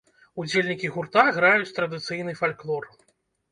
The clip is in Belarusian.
Удзельнікі гурта граюць традыцыйны фальклор.